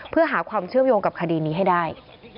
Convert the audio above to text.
เพื่อหาความเชื่อมโยงกับคดีนี้ให้ได้